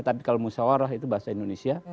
tapi kalau musyawarah itu bahasa indonesia